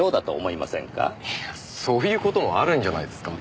いやそういう事もあるんじゃないですか？